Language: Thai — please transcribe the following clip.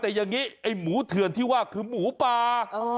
แต่อย่างนี้ไอ้หมูเถื่อนที่ว่าคือหมูป่า